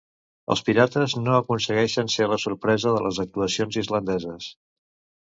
Els Pirates no aconsegueixen ser la sorpresa de les actuacions islandeses.